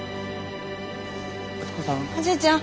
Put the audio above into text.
おじいちゃん。